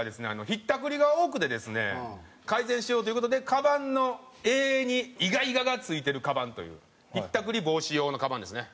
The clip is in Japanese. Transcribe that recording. ひったくりが多くてですね改善しようという事でかばんの柄にイガイガが付いてるかばんというひったくり防止用のかばんですね。